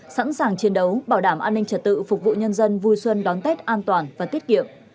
sẵn sàng chiến đấu bảo đảm an ninh trật tự phục vụ nhân dân vui xuân đón tết an toàn và tiết kiệm